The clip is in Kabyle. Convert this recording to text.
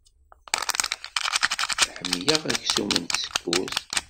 Ḥemmleɣ aksum n tsekkurt.